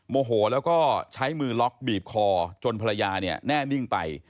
โมโหแล้วก็ใช้มือล็อกบีบคอจนภรรยาเนี่ยแน่นิ่งไป